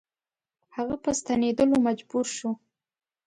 هغه په ستنېدلو مجبور شو.